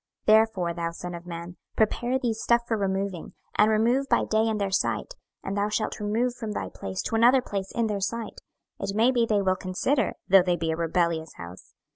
26:012:003 Therefore, thou son of man, prepare thee stuff for removing, and remove by day in their sight; and thou shalt remove from thy place to another place in their sight: it may be they will consider, though they be a rebellious house.